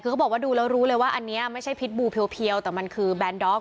คือเขาบอกว่าดูแล้วรู้เลยว่าอันนี้ไม่ใช่พิษบูเพียวแต่มันคือแบนด๊อก